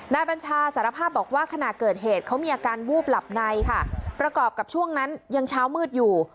บัญชาสารภาพบอกว่าขณะเกิดเหตุเขามีอาการวูบหลับในค่ะประกอบกับช่วงนั้นยังเช้ามืดอยู่